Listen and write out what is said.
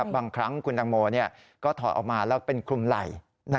บางครั้งคุณตังโมก็ถอดออกมาแล้วเป็นคลุมไหล่